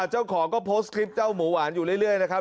เจ้าของก็โพสต์คลิปเจ้าหมูหวานอยู่เรื่อยนะครับ